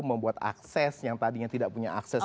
membuat akses yang tadinya tidak punya akses